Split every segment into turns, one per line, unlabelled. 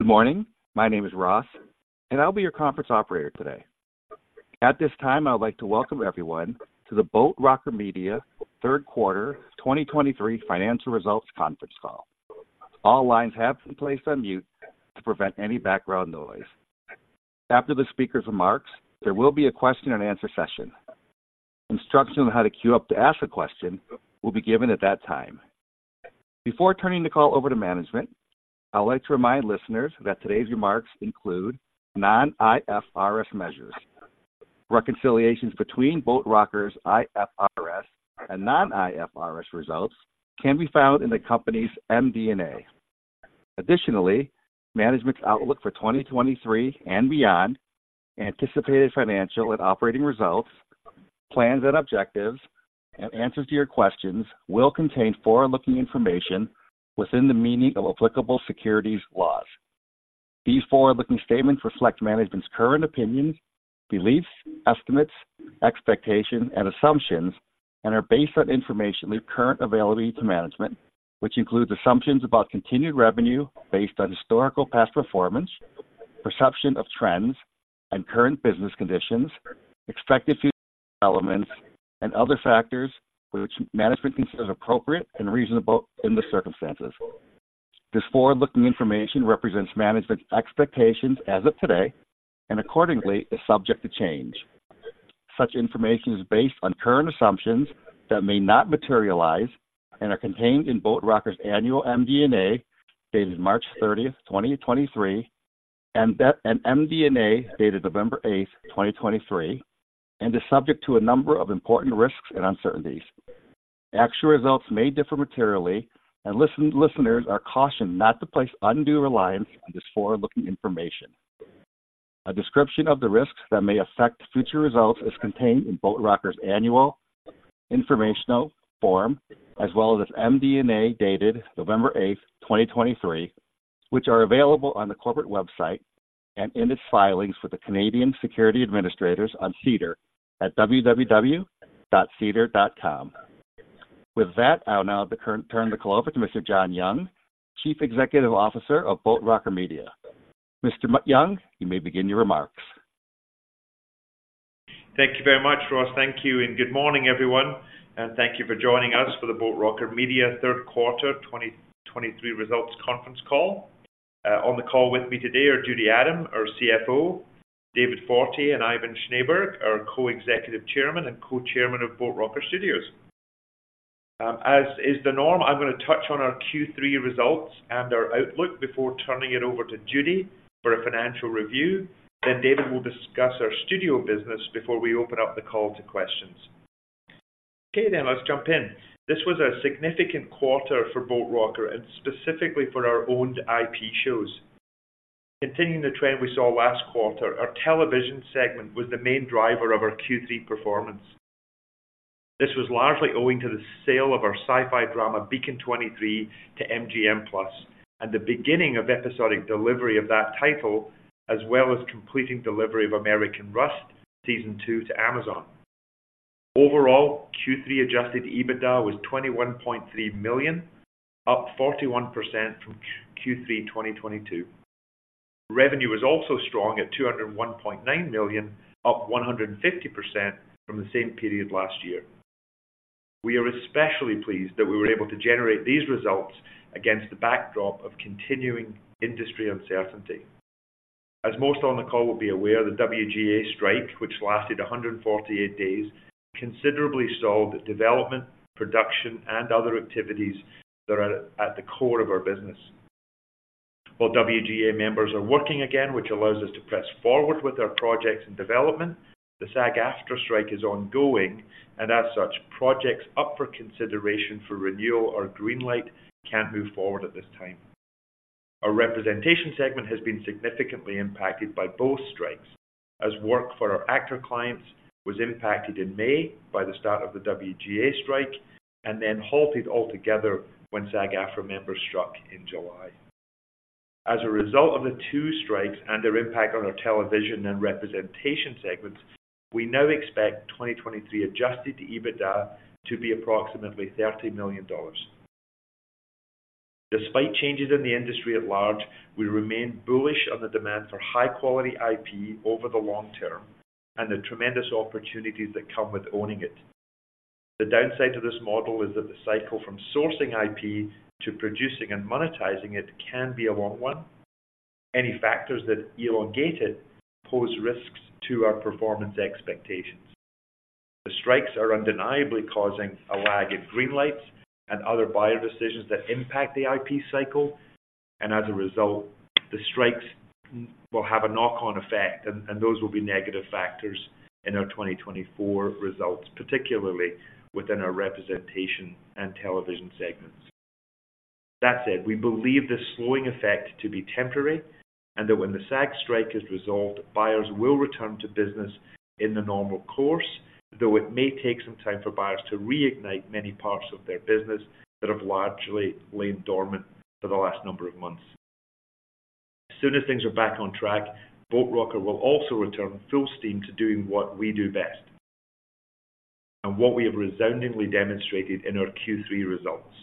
Good morning. My name is Ross, and I'll be your conference operator today. At this time, I would like to welcome everyone to the Boat Rocker Media third quarter 2023 financial results conference call. All lines have been placed on mute to prevent any background noise. After the speakers' remarks, there will be a question-and-answer session. Instructions on how to queue up to ask a question will be given at that time. Before turning the call over to management, I'd like to remind listeners that today's remarks include non-IFRS measures. Reconciliations between Boat Rocker’s IFRS and non-IFRS results can be found in the company's MD&A. Additionally, management's outlook for 2023 and beyond, anticipated financial and operating results, plans and objectives, and answers to your questions will contain forward-looking information within the meaning of applicable securities laws. These forward-looking statements reflect management's current opinions, beliefs, estimates, expectations, and assumptions and are based on information currently available to management, which includes assumptions about continued revenue based on historical past performance, perception of trends and current business conditions, expected future developments, and other factors which management considers appropriate and reasonable in the circumstances. This forward-looking information represents management's expectations as of today and accordingly is subject to change. Such information is based on current assumptions that may not materialize and are contained in Boat Rocker's annual MD&A, dated March 30, 2023, and MD&A, dated November 8, 2023, and is subject to a number of important risks and uncertainties. Actual results may differ materially, and listen, listeners are cautioned not to place undue reliance on this forward-looking information. A description of the risks that may affect future results is contained in Boat Rocker's annual information form, as well as its MD&A, dated November 8, 2023, which are available on the corporate website and in its filings with theCanadian Securities Administrators on SEDAR at www.sedar.com. With that, I'll now turn the call over to Mr. John Young, Chief Executive Officer of Boat Rocker Media. Mr. Young, you may begin your remarks.
Thank you very much, Ross. Thank you, and good morning, everyone, and thank you for joining us for the Boat Rocker Media third quarter 2023 results conference call. On the call with me today are Judy Adam, our CFO, David Fortier and Ivan Schneeberg, our Co-Executive Chairman and Co-Chairman of Boat Rocker Studios. As is the norm, I'm going to touch on our Q3 results and our outlook before turning it over to Judy for a financial review. Then David will discuss our studio business before we open up the call to questions. Okay, then, let's jump in. This was a significant quarter for Boat Rocker and specifically for our owned IP shows. Continuing the trend we saw last quarter, our television segment was the main driver of our Q3 performance. This was largely owing to the sale of our sci-fi drama, Beacon 23, to MGM+, and the beginning of episodic delivery of that title, as well as completing delivery of American Rust Season two to Amazon. Overall, Q3 Adjusted EBITDA was 21.3 million, up 41% from Q3 2022. Revenue was also strong at 201.9 million, up 150% from the same period last year. We are especially pleased that we were able to generate these results against the backdrop of continuing industry uncertainty. As most on the call will be aware, the WGA strike, which lasted 148 days, considerably stalled development, production, and other activities that are at the core of our business. While WGA members are working again, which allows us to press forward with our projects and development, the SAG-AFTRA strike is ongoing, and as such, projects up for consideration for renewal or greenlight can't move forward at this time. Our representation segment has been significantly impacted by both strikes, as work for our actor clients was impacted in May by the start of the WGA strike and then halted altogether when SAG-AFTRA members struck in July. As a result of the two strikes and their impact on our television and representation segments, we now expect 2023 Adjusted EBITDA to be approximately 30 million dollars. Despite changes in the industry at large, we remain bullish on the demand for high-quality IP over the long term and the tremendous opportunities that come with owning it. The downside to this model is that the cycle from sourcing IP to producing and monetizing it can be a long one. Any factors that elongate it pose risks to our performance expectations. The strikes are undeniably causing a lag in greenlights and other buyer decisions that impact the IP cycle, and as a result, the strikes will have a knock-on effect, and those will be negative factors in our 2024 results, particularly within our representation and television segments. That said, we believe this slowing effect to be temporary and that when the SAG strike is resolved, buyers will return to business in the normal course, though it may take some time for buyers to reignite many parts of their business that have largely laid dormant for the last number of months. As soon as things are back on track, Boat Rocker will also return full steam to doing what we do best: ...and what we have resoundingly demonstrated in our Q3 results,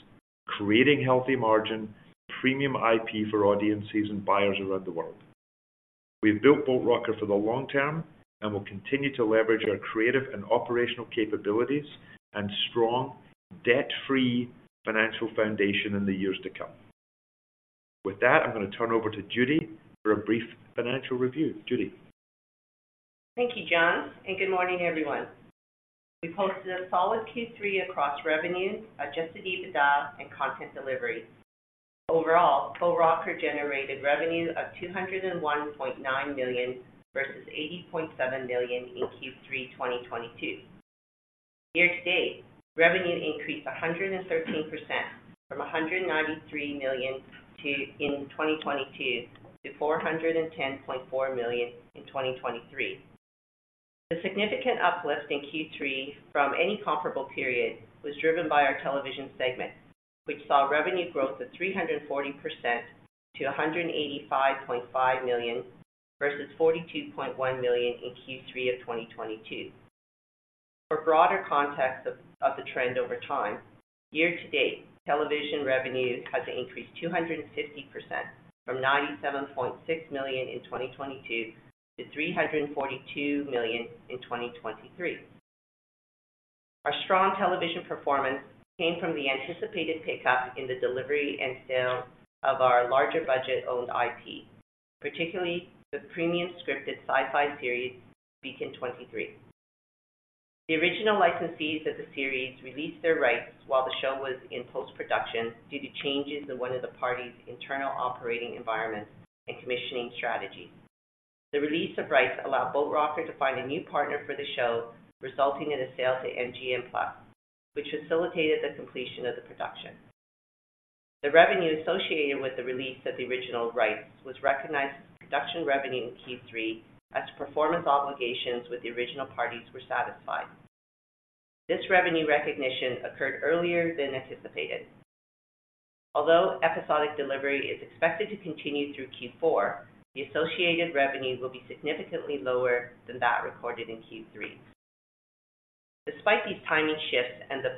creating healthy margin, premium IP for audiences and buyers around the world. We've built Boat Rocker for the long term, and we'll continue to leverage our creative and operational capabilities and strong, debt-free financial foundation in the years to come. With that, I'm going to turn over to Judy for a brief financial review. Judy?
Thank you, John, and good morning, everyone. We posted a solid Q3 across revenues, Adjusted EBITDA, and content delivery. Overall, Boat Rocker generated revenue of 201.9 million versus 80.7 million in Q3 2022. Year to date, revenue increased 113% from 193 million in 2022 to 410.4 million in 2023. The significant uplift in Q3 from any comparable period was driven by our television segment, which saw revenue growth of 340% to 185.5 million versus 42.1 million in Q3 of 2022. For broader context of the trend over time, year to date, television revenue has increased 250% from 97.6 million in 2022 to 342 million in 2023. Our strong television performance came from the anticipated pickup in the delivery and sale of our larger budget-owned IP, particularly the premium scripted sci-fi series, Beacon 23. The original licensees of the series released their rights while the show was in post-production due to changes in one of the party's internal operating environment and commissioning strategy. The release of rights allowed Boat Rocker to find a new partner for the show, resulting in a sale to MGM+, which facilitated the completion of the production. The revenue associated with the release of the original rights was recognized as production revenue in Q3 as performance obligations with the original parties were satisfied. This revenue recognition occurred earlier than anticipated. Although episodic delivery is expected to continue through Q4, the associated revenue will be significantly lower than that recorded in Q3. Despite these timing shifts and the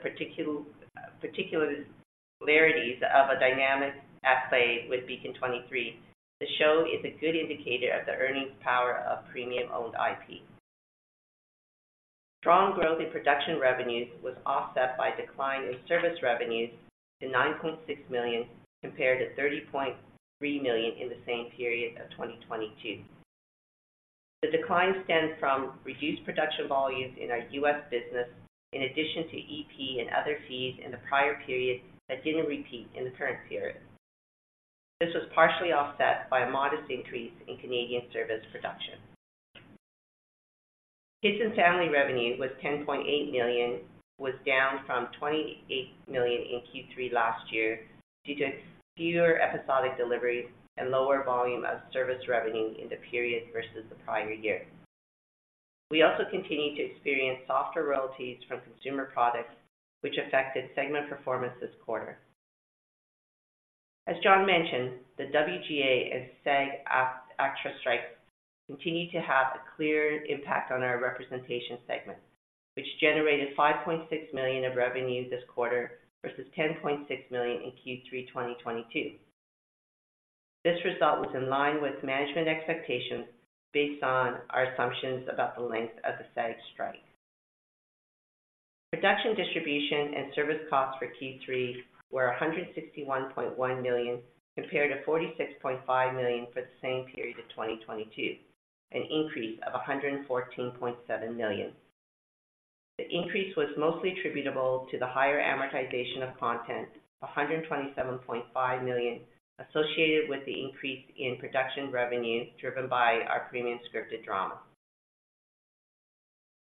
particularities of a dynamic at play with Beacon 23, the show is a good indicator of the earnings power of premium-owned IP. Strong growth in production revenues was offset by a decline in service revenues to 9.6 million, compared to 30.3 million in the same period of 2022. The decline stemmed from reduced production volumes in our U.S. business, in addition to EP and other fees in the prior period that didn't repeat in the current period. This was partially offset by a modest increase in Canadian service production. Kids and Family revenue was 10.8 million, was down from 28 million in Q3 last year due to fewer episodic deliveries and lower volume of service revenue in the period versus the prior year. We also continued to experience softer royalties from consumer products, which affected segment performance this quarter. As John mentioned, the WGA and SAG-AFTRA strikes continued to have a clear impact on our representation segment, which generated 5.6 million of revenue this quarter versus 10.6 million in Q3 2022. This result was in line with management expectations based on our assumptions about the length of the SAG strike. Production, distribution, and service costs for Q3 were CAD 161.1 million, compared to CAD 46.5 million for the same period of 2022, an increase of CAD 114.7 million. The increase was mostly attributable to the higher amortization of content, 127.5 million, associated with the increase in production revenue, driven by our premium scripted drama.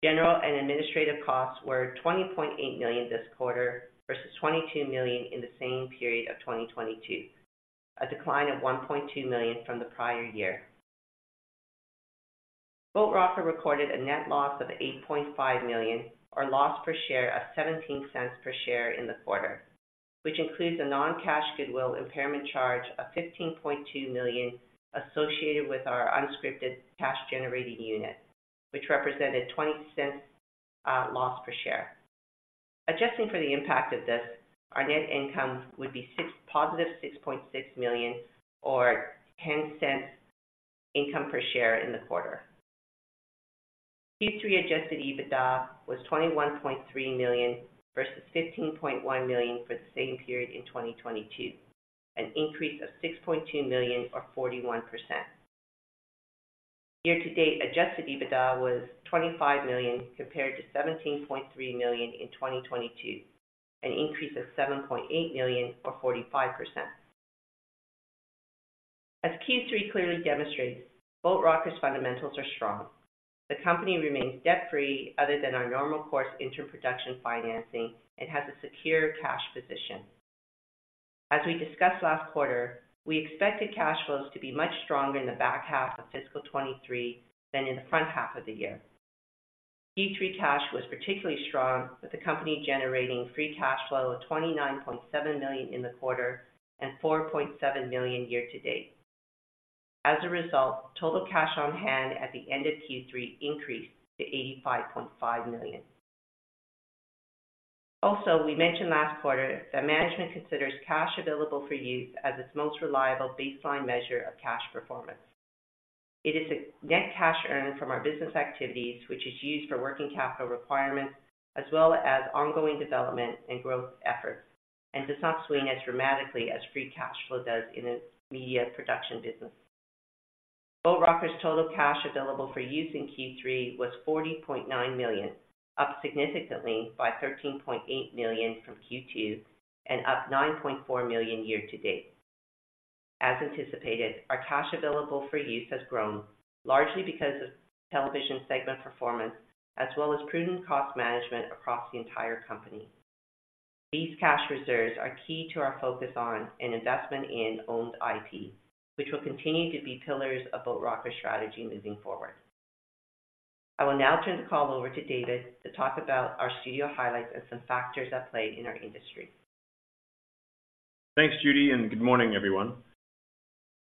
General and administrative costs were 20.8 million this quarter, versus 22 million in the same period of 2022, a decline of 1.2 million from the prior year. Boat Rocker recorded a net loss of 8.5 million, or loss per share of 0.17 per share in the quarter, which includes a non-cash goodwill impairment charge of 15.2 million associated with our unscripted cash-generating unit, which represented 0.20 loss per share. Adjusting for the impact of this, our net income would be positive 6.6 million or 0.10 income per share in the quarter. Q3 adjusted EBITDA was 21.3 million versus 15.1 million for the same period in 2022, an increase of 6.2 million or 41%. Year to date, adjusted EBITDA was 25 million, compared to 17.3 million in 2022, an increase of 7.8 million or 45%. As Q3 clearly demonstrates, Boat Rocker's fundamentals are strong. The company remains debt-free other than our normal course in term production financing and has a secure cash position. As we discussed last quarter, we expected cash flows to be much stronger in the back half of fiscal 2023 than in the front half of the year. Q3 cash was particularly strong, with the company generating free cash flow of 29.7 million in the quarter and 4.7 million year to date. As a result, total cash on hand at the end of Q3 increased to 85.5 million. Also, we mentioned last quarter that management considers cash available for use as its most reliable baseline measure of cash performance. It is a net cash earned from our business activities, which is used for working capital requirements, as well as ongoing development and growth efforts, and does not swing as dramatically as free cash flow does in a media production business. Boat Rocker's total cash available for use in Q3 was 40.9 million, up significantly by 13.8 million from Q2 and up 9.4 million year to date. As anticipated, our cash available for use has grown largely because of television segment performance, as well as prudent cost management across the entire company. These cash reserves are key to our focus on and investment in owned IP, which will continue to be pillars of Boat Rocker's strategy moving forward. I will now turn the call over to David to talk about our studio highlights and some factors at play in our industry.
Thanks, Judy, and good morning, everyone.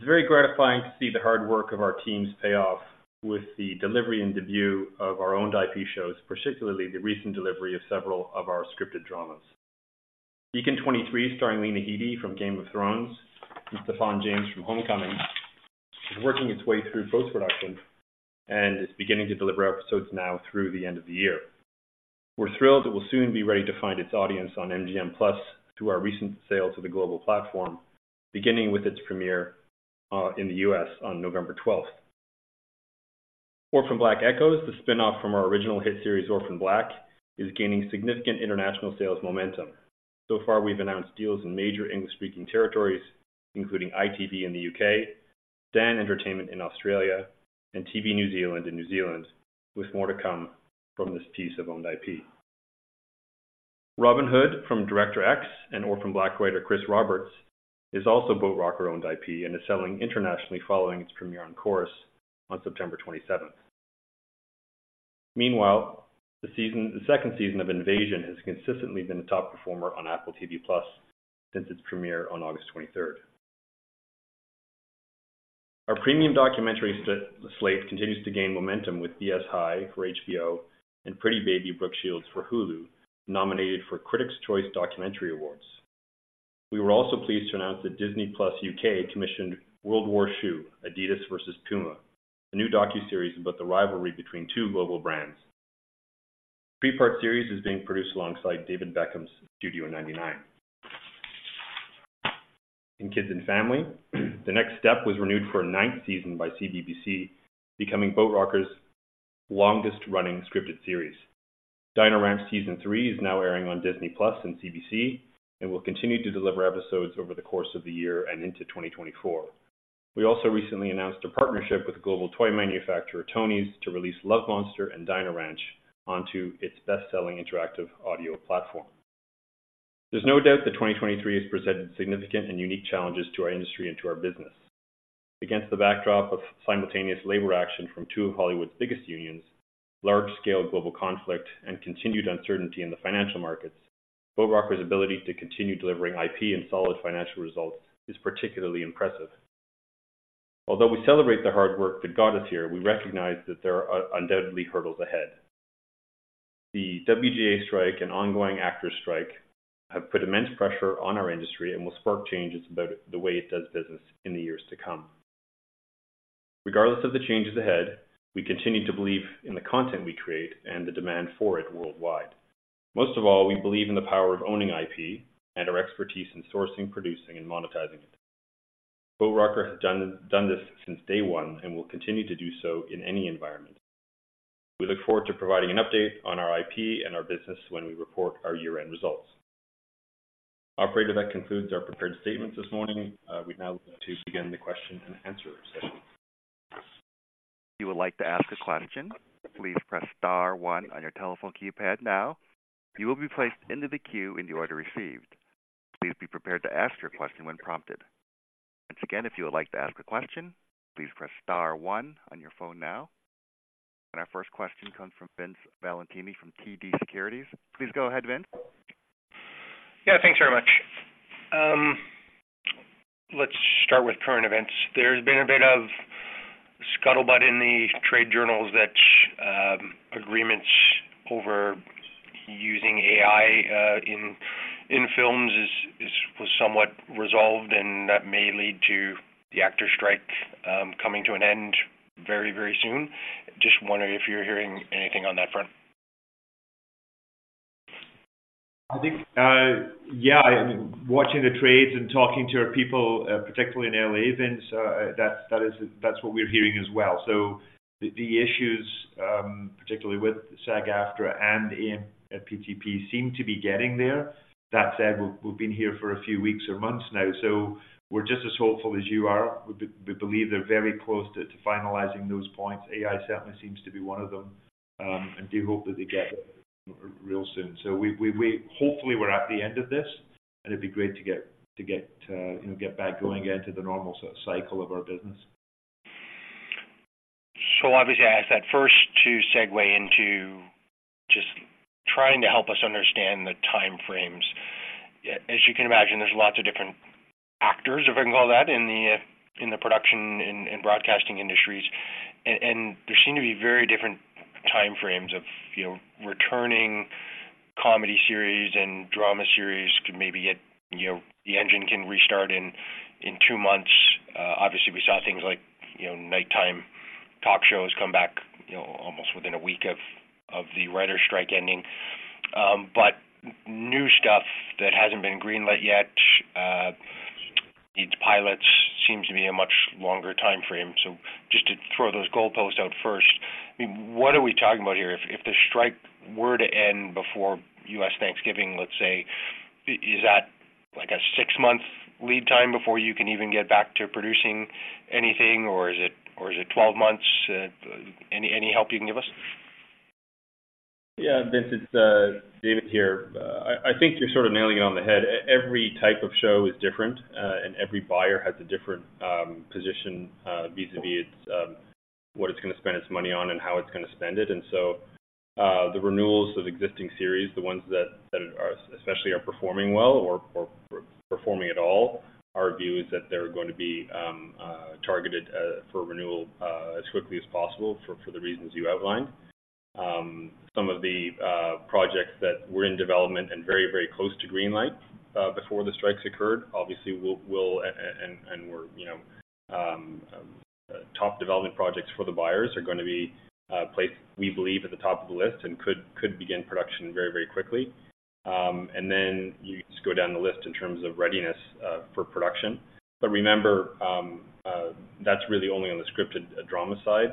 It's very gratifying to see the hard work of our teams pay off with the delivery and debut of our own IP shows, particularly the recent delivery of several of our scripted dramas. Beacon 23, starring Lena Headey from Game of Thrones and Stephan James from Homecoming, is working its way through post-production and is beginning to deliver episodes now through the end of the year. We're thrilled it will soon be ready to find its audience on MGM+, through our recent sale to the global platform, beginning with its premiere in the U.S. on November 12. Orphan Black: Echoes, the spinoff from our original hit series, Orphan Black, is gaining significant international sales momentum. So far, we've announced deals in major English-speaking territories, including ITV in the UK, Stan Entertainment in Australia, and TV New Zealand in New Zealand, with more to come from this piece of owned IP. Robin Hood, from Director X and Orphan Black writer Chris Roberts, is also Boat Rocker-owned IP and is selling internationally following its premiere on Corus on September 27. Meanwhile, the second season of Invasion has consistently been a top performer on Apple TV+ since its premiere on August 23. Our premium documentary slate continues to gain momentum with BS High for HBO and Pretty Baby: Brooke Shields for Hulu, nominated for Critics Choice Documentary Awards. We were also pleased to announce that Disney+ UK commissioned World War Shoe: Adidas versus Puma, a new docuseries about the rivalry between two global brands. The three-part series is being produced alongside David Beckham's Studio 99. In Kids and Family, The Next Step was renewed for a ninth season by CBBC, becoming Boat Rocker's longest-running scripted series. Dino Ranch Season 3 is now airing on Disney+ and CBC, and will continue to deliver episodes over the course of the year and into 2024. We also recently announced a partnership with global toy manufacturer Tonies, to release Love Monster and Dino Ranch onto its best-selling interactive audio platform. There's no doubt that 2023 has presented significant and unique challenges to our industry and to our business. Against the backdrop of simultaneous labor action from two of Hollywood's biggest unions, large-scale global conflict, and continued uncertainty in the financial markets, Boat Rocker's ability to continue delivering IP and solid financial results is particularly impressive. Although we celebrate the hard work that got us here, we recognize that there are undoubtedly hurdles ahead. The WGA strike and ongoing actors’ strike have put immense pressure on our industry and will spark changes about the way it does business in the years to come. Regardless of the changes ahead, we continue to believe in the content we create and the demand for it worldwide. Most of all, we believe in the power of owning IP and our expertise in sourcing, producing, and monetizing it. Boat Rocker has done this since day one and will continue to do so in any environment. We look forward to providing an update on our IP and our business when we report our year-end results. Operator, that concludes our prepared statements this morning. We'd now like to begin the question and answer session.
If you would like to ask a question, please press star one on your telephone keypad now. You will be placed into the queue in the order received. Please be prepared to ask your question when prompted. Once again, if you would like to ask a question, please press star one on your phone now. Our first question comes from Vince Valentini from TD Securities. Please go ahead, Vince.
Yeah, thanks very much. Let's start with current events. There's been a bit of scuttlebutt in the trade journals that agreements over using AI in films was somewhat resolved, and that may lead to the actors’ strike coming to an end very, very soon. Just wondering if you're hearing anything on that front?
I think... Yeah, watching the trades and talking to our people, particularly in LA, Vince, that is, that's what we're hearing as well. So the issues, particularly with SAG-AFTRA and AMPTP, seem to be getting there. That said, we've been here for a few weeks or months now, so we're just as hopeful as you are. We believe they're very close to finalizing those points. AI certainly seems to be one of them, and do hope that they get it real soon. So we-- hopefully, we're at the end of this, and it'd be great to get, you know, get back going into the normal cycle of our business.
So obviously, I asked that first to segue into trying to help us understand the time frames. As you can imagine, there's lots of different actors, if I can call it that, in the production and broadcasting industries. And there seem to be very different time frames of, you know, returning comedy series and drama series could maybe get, you know, the engine can restart in two months. Obviously, we saw things like, you know, nighttime talk shows come back, you know, almost within a week of the writer strike ending. But new stuff that hasn't been greenlit yet needs pilots, seems to be a much longer time frame. So just to throw those goalposts out first, I mean, what are we talking about here? If the strike were to end before U.S. Thanksgiving, let's say, is that like a six-month lead time before you can even get back to producing anything, or is it, or is it 12 months? Any help you can give us?
Yeah, Vince, it's David here. I think you're sort of nailing it on the head. Every type of show is different, and every buyer has a different position vis-à-vis its what it's going to spend its money on and how it's going to spend it. And so, the renewals of existing series, the ones that are especially performing well or performing at all, our view is that they're going to be targeted for renewal as quickly as possible for the reasons you outlined. Some of the projects that were in development and very, very close to greenlight before the strikes occurred, obviously, will and were, you know, top development projects for the buyers are going to be placed, we believe, at the top of the list and could begin production very, very quickly. And then you just go down the list in terms of readiness for production. But remember, that's really only on the scripted drama side.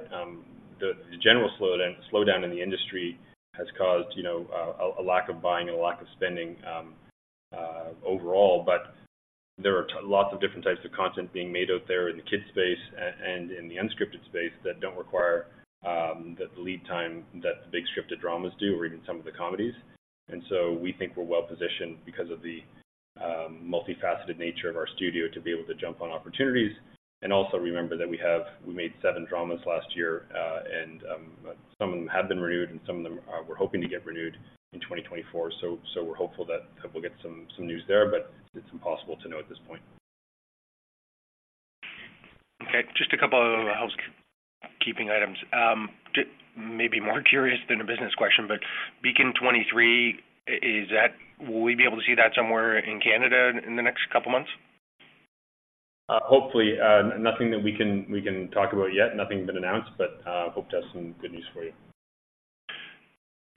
The general slowdown in the industry has caused, you know, a lack of buying and a lack of spending overall. But there are lots of different types of content being made out there in the kids space and in the unscripted space that don't require the lead time that the big scripted dramas do, or even some of the comedies. And so we think we're well positioned because of the multifaceted nature of our studio to be able to jump on opportunities. And also remember that we made seven dramas last year, and some of them have been renewed and some of them we're hoping to get renewed in 2024. So we're hopeful that we'll get some news there, but it's impossible to know at this point.
Okay, just a couple of housekeeping items. Maybe more curious than a business question, but Beacon 23, is that... Will we be able to see that somewhere in Canada in the next couple of months?
Hopefully. Nothing that we can talk about yet. Nothing been announced, but hope to have some good news for you.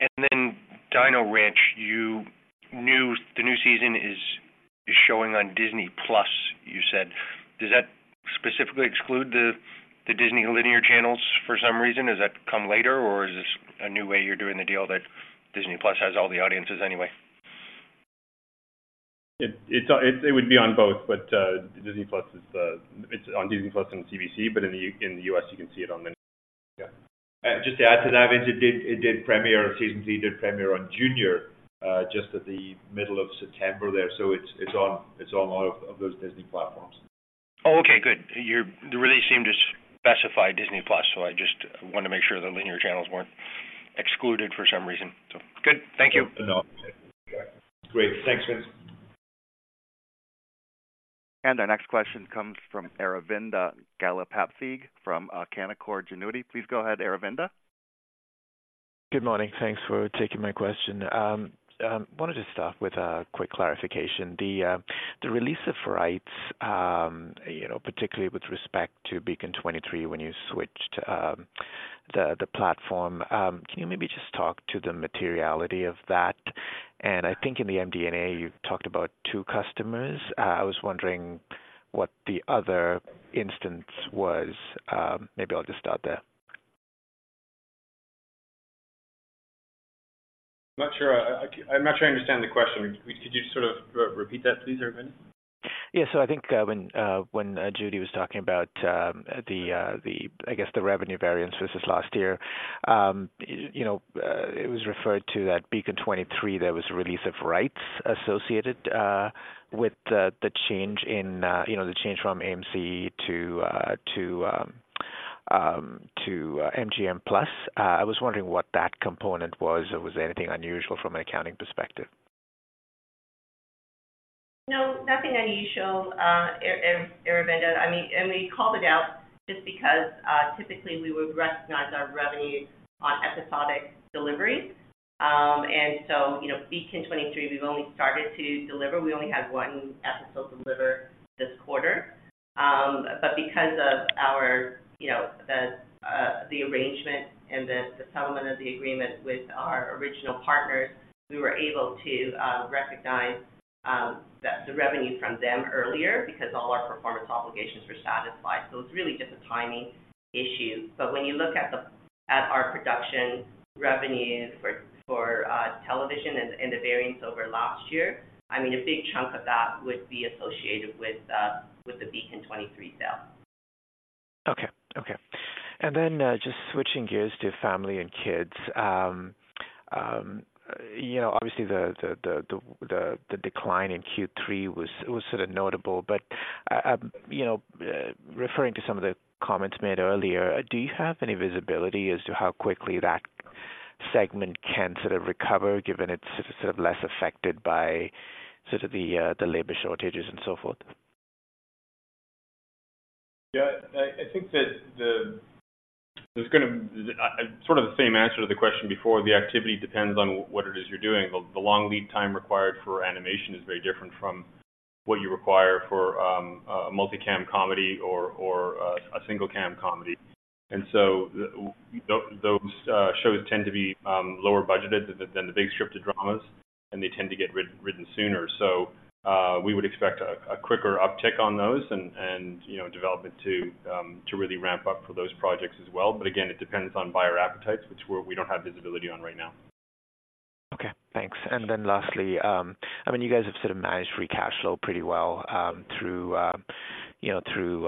And then Dino Ranch, you knew the new season is showing on Disney+, you said. Does that specifically exclude the Disney linear channels for some reason? Does that come later, or is this a new way you're doing the deal that Disney+ has all the audiences anyway?
It's, it would be on both, but Disney+ is, it's on Disney+ and CBC, but in the, in the U.S., you can see it on linear. Yeah.
Just to add to that, Vince, it did premiere, season three did premiere on Disney Junior just at the middle of September there. So it's on all of those Disney platforms.
Oh, okay, good. The release seemed to specify Disney+, so I just wanted to make sure the linear channels weren't excluded for some reason. So good. Thank you.
No.
Great. Thanks, Vince.
Our next question comes from Aravinda Galappatthige from Canaccord Genuity. Please go ahead, Aravinda.
Good morning. Thanks for taking my question. I wanted to start with a quick clarification. The, the release of rights, you know, particularly with respect to Beacon 23, when you switched, the, the platform. Can you maybe just talk to the materiality of that? And I think in the MD&A, you talked about two customers. I was wondering what the other instance was. Maybe I'll just start there.
I'm not sure. I'm not sure I understand the question. Could you sort of re-repeat that please, Aravinda?
Yeah. So I think, when Judy was talking about, I guess, the revenue variances this last year, you know, it was referred to that Beacon 23, there was a release of rights associated with the change in, you know, the change from AMC to MGM+. I was wondering what that component was, or was there anything unusual from an accounting perspective?
No, nothing unusual, Aravinda. I mean, and we called it out just because, typically we would recognize our revenue on episodic delivery. And so, you know, Beacon 23, we've only started to deliver. We only had one episode delivered this quarter. But because of our, you know, the arrangement and the settlement of the agreement with our original partners, we were able to recognize the revenue from them earlier because all our performance obligations were satisfied. So it's really just a timing issue. But when you look at our production revenues for television and the variance over last year, I mean, a big chunk of that would be associated with the Beacon 23 sale.
Okay. Okay. And then, just switching gears to family and kids. You know, obviously, the decline in Q3 was sort of notable. But, you know, referring to some of the comments made earlier, do you have any visibility as to how quickly that segment can sort of recover, given it's sort of less affected by the labor shortages and so forth?
Yeah, I, I think that the-- there's gonna sort of the same answer to the question before. The activity depends on what it is you're doing. The long lead time required for animation is very different from what you require for a multi-cam comedy or a single-cam comedy. And so those shows tend to be lower budgeted than the big scripted dramas, and they tend to get written sooner. So we would expect a quicker uptick on those and, you know, development to really ramp up for those projects as well. But again, it depends on buyer appetites, which we're-- we don't have visibility on right now.
Okay, thanks. And then lastly, I mean, you guys have sort of managed free cash flow pretty well through you know through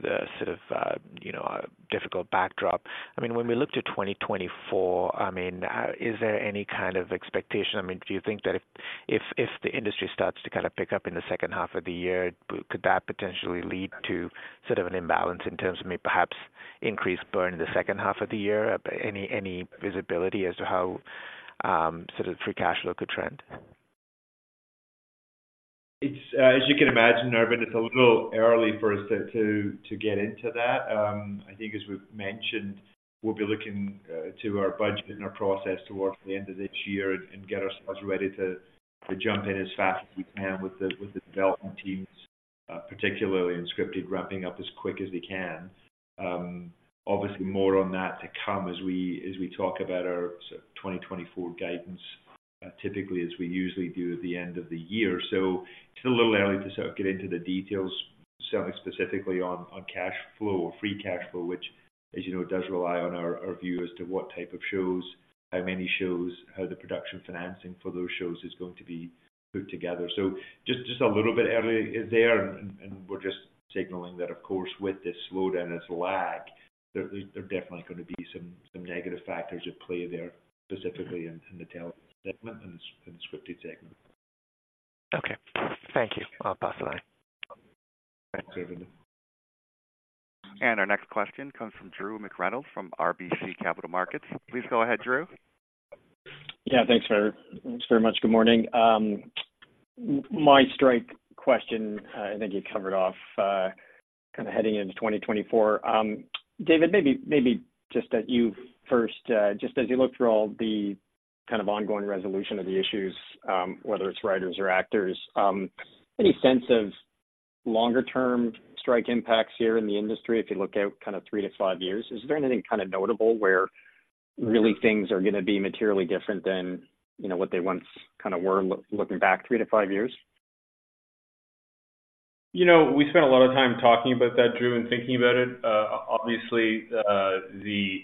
the sort of you know difficult backdrop. I mean, when we look to 2024, I mean, is there any kind of expectation? I mean, do you think that if the industry starts to kind of pick up in the second half of the year, could that potentially lead to sort of an imbalance in terms of maybe perhaps increased burn in the second half of the year? Any visibility as to how sort of free cash flow could trend?
It's, as you can imagine, Aravinda, it's a little early for us to get into that. I think as we've mentioned, we'll be looking to our budget and our process towards the end of this year and get ourselves ready to jump in as fast as we can with the development teams, particularly in scripted ramping up as quick as we can. Obviously, more on that to come as we talk about our sort of 2024 guidance, typically as we usually do at the end of the year. So it's a little early to sort of get into the details, specifically on cash flow or Free Cash Flow, which, as you know, does rely on our view as to what type of shows, how many shows, how the production financing for those shows is going to be put together. So just a little bit early there, and we're just signaling that, of course, with this slowdown, it's lag. There are definitely going to be some negative factors at play there, specifically in the talent segment and the scripted segment.
Okay. Thank you. I'll pass the line.
Thanks, Aravinda.
Our next question comes from Drew McReynolds from RBC Capital Markets. Please go ahead, Drew.
Yeah, thanks very, thanks very much. Good morning. My strike question, I think you covered off, kind of heading into 2024. David, maybe, maybe just at you first, just as you look through all the kind of ongoing resolution of the issues, whether it's writers or actors, any sense of longer-term strike impacts here in the industry if you look out kind of 3–5 years? Is there anything kind of notable where really things are gonna be materially different than, you know, what they once kind of were, looking back 3–5 years?
You know, we spent a lot of time talking about that, Drew, and thinking about it. Obviously, the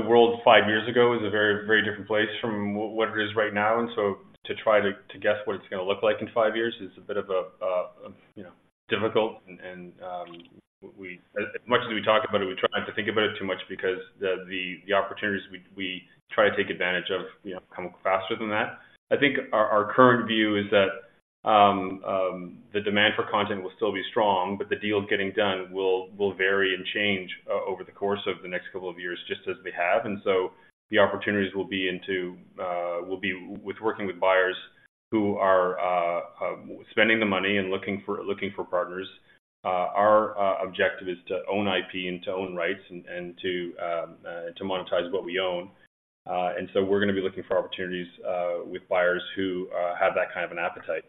world five years ago was a very, very different place from what it is right now. And so to try to guess what it's gonna look like in five years is a bit of a, you know, difficult and we... As much as we talk about it, we try not to think about it too much because the opportunities we try to take advantage of, you know, come faster than that. I think our current view is that the demand for content will still be strong, but the deals getting done will vary and change over the course of the next couple of years, just as they have. The opportunities we'll be into will be working with buyers who are spending the money and looking for partners. Our objective is to own IP and to own rights and to monetize what we own. And so we're gonna be looking for opportunities with buyers who have that kind of an appetite.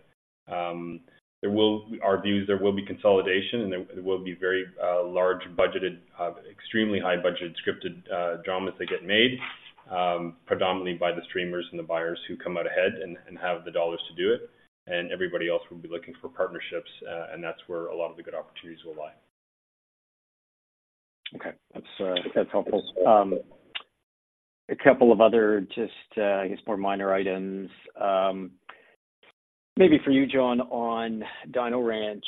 Our view is there will be consolidation, and there will be very large budgeted, extremely high-budgeted, scripted dramas that get made, predominantly by the streamers and the buyers who come out ahead and have the dollars to do it. And everybody else will be looking for partnerships, and that's where a lot of the good opportunities will lie.
Okay. That's, that's helpful. A couple of other just, I guess, more minor items. Maybe for you, John, on Dino Ranch,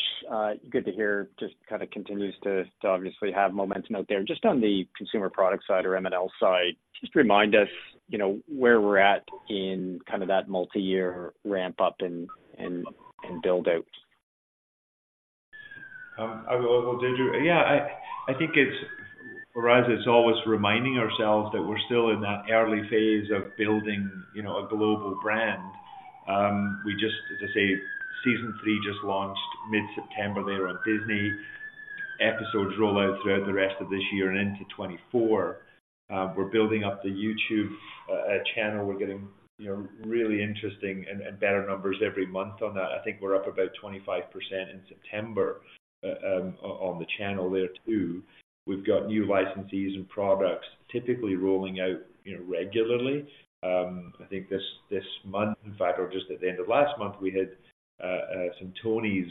good to hear, just kind of continues to obviously have momentum out there. Just on the consumer product side or M&L side, just remind us, you know, where we're at in kind of that multiyear ramp up and build-out.
I will do, Drew. Yeah, I think it's, for us, it's always reminding ourselves that we're still in that early phase of building, you know, a global brand. We just, as I say, Season 3 just launched mid-September there on Disney. Episodes roll out throughout the rest of this year and into 2024. We're building up the YouTube channel. We're getting, you know, really interesting and better numbers every month on that. I think we're up about 25% in September on the channel there too. We've got new licensees and products typically rolling out, you know, regularly. I think this month, in fact, or just at the end of last month, we had some Tonies,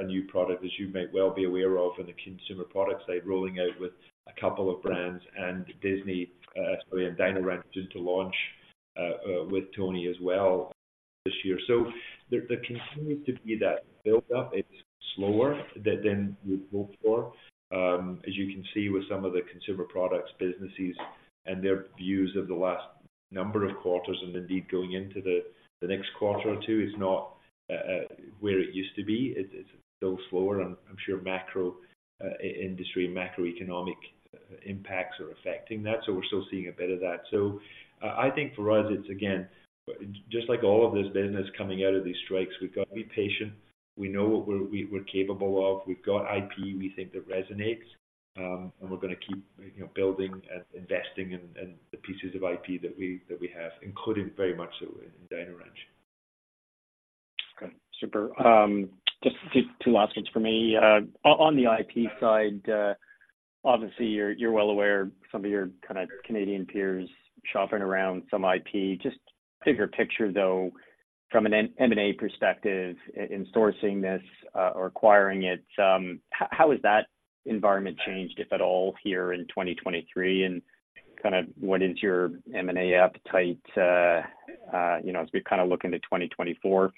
a new product, as you might well be aware of, in the consumer product side, rolling out with a couple of brands. And Disney, sorry, and Dino Ranch, due to launch with Tonies as well this year. So there continues to be that build-up. It's slower than we'd hoped for. As you can see with some of the consumer products businesses and their views of the last number of quarters, and indeed, going into the next quarter or two, is not where it used to be. It's still slower, and I'm sure macro industry and macroeconomic impacts are affecting that, so we're still seeing a bit of that. So, I think for us, it's again, just like all of this business coming out of these strikes, we've got to be patient. We know what we're, we're capable of. We've got IP we think that resonates, and we're going to keep, you know, building and investing in, in the pieces of IP that we, that we have, including very much so in Dino Ranch.
Okay, super. Just two last ones for me. On the IP side, obviously, you're well aware some of your kind of Canadian peers shopping around some IP. Just bigger picture, though, from an M&A perspective in sourcing this, or acquiring it, how has that environment changed, if at all, here in 2023? And kind of what is your M&A appetite, you know, as we kind of look into 2024?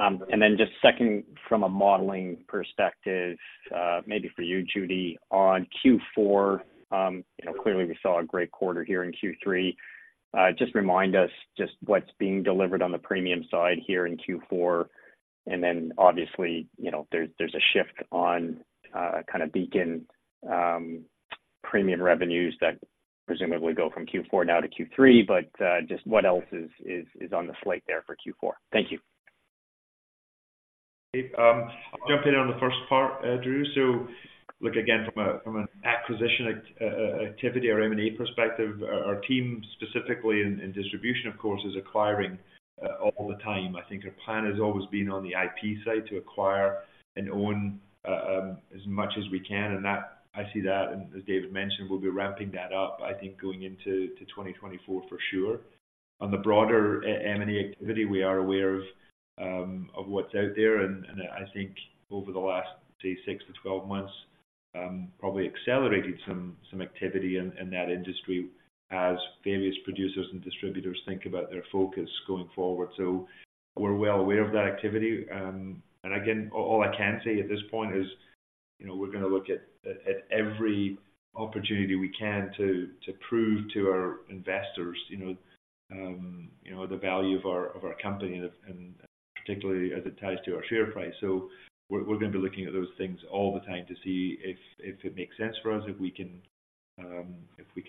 And then just second, from a modeling perspective, maybe for you, Judy, on Q4, you know, clearly we saw a great quarter here in Q3. Just remind us just what's being delivered on the premium side here in Q4. And then obviously, you know, there's a shift on kind of Beacon premium revenues that presumably go from Q4 now to Q3, but just what else is on the slate there for Q4? Thank you.
I'll jump in on the first part, Drew. So look, again, from an acquisition activity or M&A perspective, our team, specifically in distribution, of course, is acquiring all the time. I think our plan has always been on the IP side, to acquire and own as much as we can, and that I see that, and as David mentioned, we'll be ramping that up, I think, going into 2024 for sure. On the broader M&A activity, we are aware of what's out there. And I think over the last, say, 6-12 months, probably accelerated some activity in that industry as various producers and distributors think about their focus going forward. So we're well aware of that activity. And again, all I can say at this point is, you know, we're going to look at every opportunity we can to prove to our investors, you know, the value of our company, and particularly as it ties to our share price. So we're going to be looking at those things all the time to see if it makes sense for us, if we can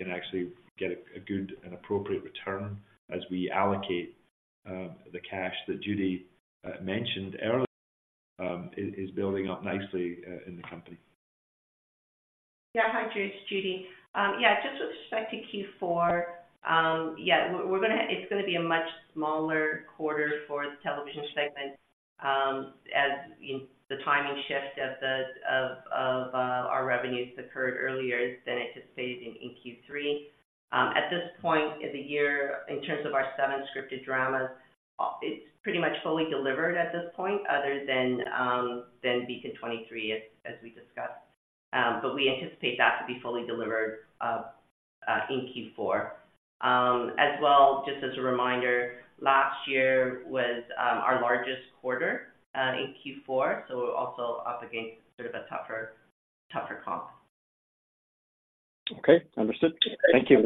actually get a good and appropriate return as we allocate the cash that Judy mentioned earlier is building up nicely in the company.
Yeah. Hi, Drew. It's Judy. Yeah, just with respect to Q4, yeah, we're gonna, it's gonna be a much smaller quarter for the television segment, as in the timing shift of our revenues occurred earlier than anticipated in Q3. At this point in the year, in terms of our seven scripted dramas, it's pretty much fully delivered at this point, other than Beacon 23, as we discussed. But we anticipate that to be fully delivered in Q4. As well, just as a reminder, last year was our largest quarter in Q4, so we're also up against sort of a tougher comp.
Okay, understood. Thank you.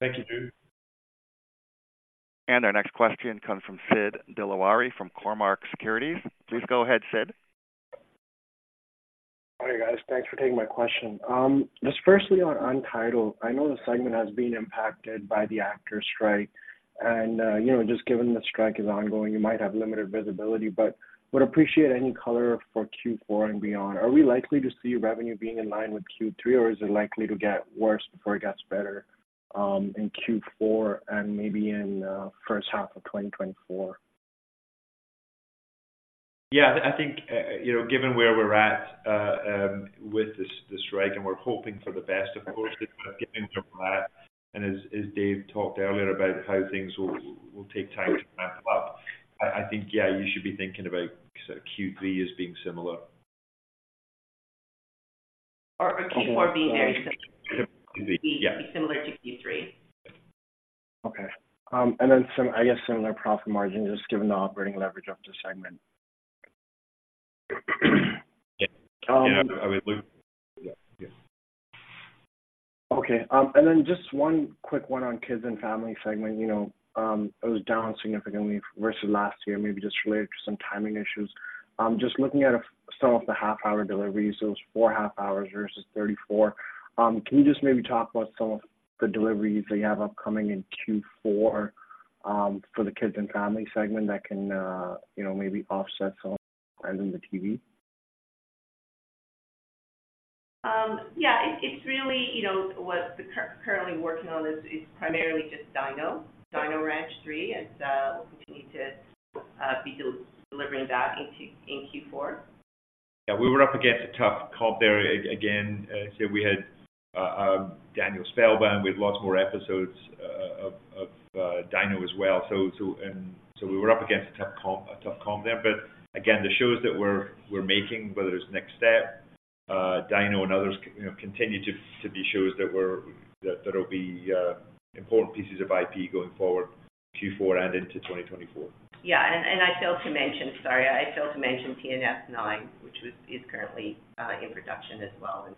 Thank you, Drew.
Our next question comes from Sid Dilawari from Cormark Securities. Please go ahead, Sid.
Hi, guys. Thanks for taking my question. Just firstly on Untitled, I know the segment has been impacted by the actors’ strike, and you know, just given the strike is ongoing, you might have limited visibility, but would appreciate any color for Q4 and beyond. Are we likely to see revenue being in line with Q3, or is it likely to get worse before it gets better in Q4 and maybe in first half of 2024?
Yeah, I think, you know, given where we're at, with the strike, and we're hoping for the best, of course, but given where we're at, and as Dave talked earlier about how things will take time to ramp up, I think, yeah, you should be thinking about Q3 as being similar.
Or Q4 being very similar.
Q4. Yeah.
Similar to Q3.
Okay, and then some, I guess, similar profit margin, just given the operating leverage of the segment.
Yeah.
Um-
Yeah, I would... Yeah. Yeah.
Okay, and then just one quick one on Kids and Family segment. You know, it was down significantly versus last year, maybe just related to some timing issues. Just looking at some of the half-hour deliveries, those four half hours versus 34, can you just maybe talk about some of the deliveries that you have upcoming in Q4, for the Kids and Family segment that can, you know, maybe offset some of the trends in the TV?
Yeah, it's really, you know, what we're currently working on is primarily just Dino Ranch three, and we'll continue to be delivering that in Q4.
Yeah, we were up against a tough comp there again. So we had Daniel Spellbound. We had lots more episodes of Dino as well. So we were up against a tough comp, a tough comp there. But again, the shows that we're making, whether it's Next Step, Dino and others, you know, continue to be shows that that'll be important pieces of IP going forward, Q4 and into 2024.
Yeah, and I failed to mention... Sorry, I failed to mention TNS 9, which was, is currently, in production as well. And,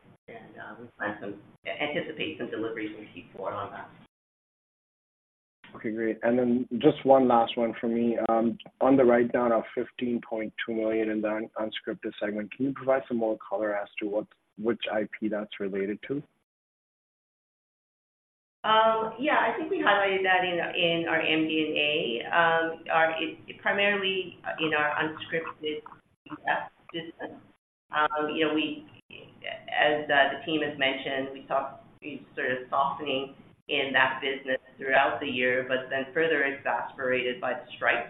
we anticipate some deliveries in Q4 on that.
Okay, great. Then just one last one for me. On the write-down of 15.2 million in the unscripted segment, can you provide some more color as to what, which IP that's related to?
Yeah, I think we highlighted that in our MD&A. Primarily in our unscripted segment. You know, as the team has mentioned, we saw sort of softening in that business throughout the year, but then further exacerbated by the strike.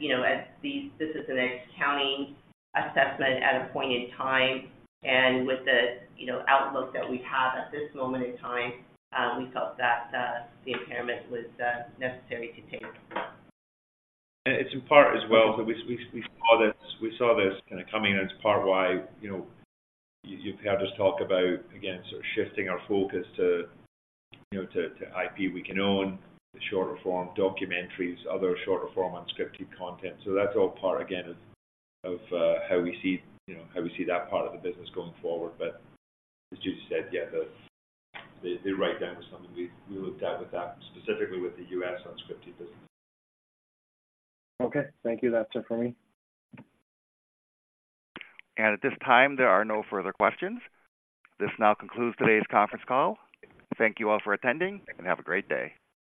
You know, this is an accounting assessment at a point in time, and with the outlook that we have at this moment in time, we felt that the impairment was necessary to take.
And it's in part as well, so we saw this, we saw this kind of coming, and it's part why, you know, you've heard us talk about, again, sort of shifting our focus to, you know, to IP we can own, the shorter form documentaries, other shorter form unscripted content. So that's all part, again, of how we see, you know, how we see that part of the business going forward. But as Judy said, yeah, the write-down was something we looked at with that, specifically with the U.S. unscripted business.
Okay. Thank you. That's it for me.
At this time, there are no further questions. This now concludes today's conference call. Thank you all for attending, and have a great day.